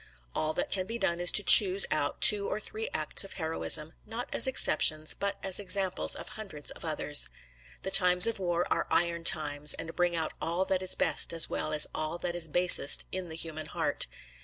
All that can be done is to choose out two or three acts of heroism, not as exceptions, but as examples of hundreds of others. The times of war are iron times, and bring out all that is best as well as all that is basest in the human heart.